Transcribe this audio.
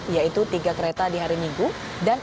yaitu tiga kereta diharikan